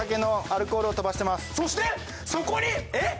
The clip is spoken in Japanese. そしてそこにえっ？